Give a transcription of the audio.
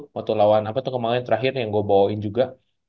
waktu lawan apa tuh kemarin terakhir yang gue bawain juga